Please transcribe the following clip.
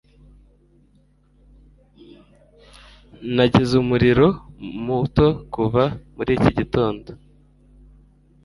Nagize umuriro muto kuva muri iki gitondo.